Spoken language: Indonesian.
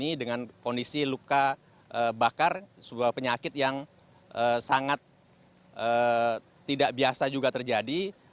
jadi ini dengan kondisi luka bakar sebuah penyakit yang sangat tidak biasa juga terjadi